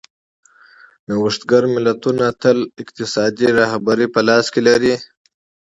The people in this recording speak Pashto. نوښتګر ملتونه تل اقتصادي رهبري په لاس کې لري.